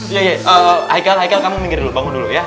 iya iya haikal kamu minggir dulu bangun dulu ya